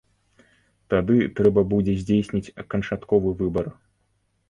Тады трэба будзе здзейсніць канчатковы выбар.